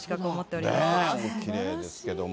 おきれいですけども。